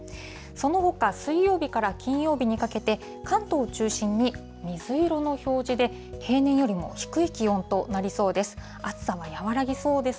そのほか水曜日から金曜日にかけて、関東を中心に水色の表示で、平年よりも低い気温となりそうです。